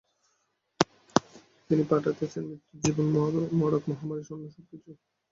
তিনি পাঠাইতেছেন মৃত্যু ও জীবন, মড়ক ও মহামারী এবং সবকিছু।